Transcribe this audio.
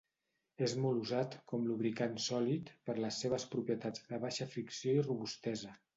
És molt usat com lubricant sòlid per les seves propietats de baixa fricció i robustesa.